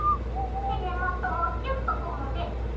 で根元をキュッとゴムで結びます。